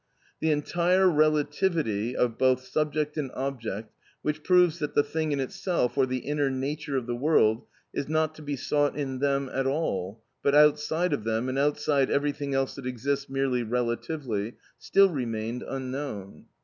The entire relativity of both subject and object, which proves that the thing in itself, or the inner nature of the world, is not to be sought in them at all, but outside of them, and outside everything else that exists merely relatively, still remained unknown.